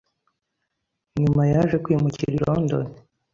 Nyuma yaje kwimukira i London